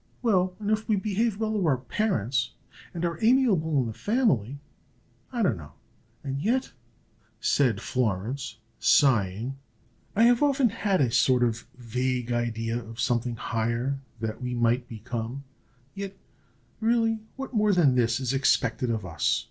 "Well, and if we behave well to our parents, and are amiable in the family I don't know and yet," said Florence, sighing, "I have often had a sort of vague idea of something higher that we might become; yet, really, what more than this is expected of us?